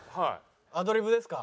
アドリブですか？